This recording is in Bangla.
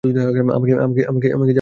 আমাকে যা বলেছিস স্যারকেও বল।